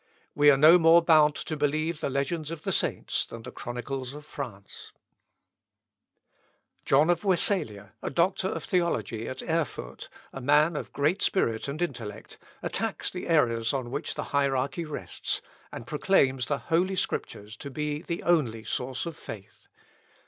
We are no more bound to believe the legends of the saints than the Chronicles of France." Ibidem. John of Wessalia, a doctor of theology at Erfurt, a man of great spirit and intellect, attacks the errors on which the hierarchy rests, and proclaims the holy Scriptures to be the only source of faith.